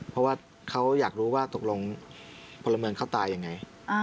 เพราะว่าเขาอยากรู้ว่าตกลงพลเมืองเขาตายยังไง